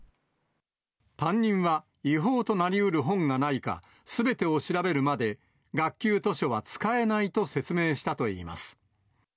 担任は違法となりうる本がないか、すべてを調べるまで、学級図書は使えないと説明したといいます。